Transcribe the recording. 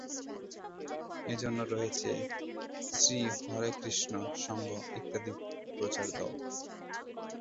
এ জন্য রয়েছে শ্রীহরেকৃষ্ণ সংঘ ইত্যাদি প্রচার দল।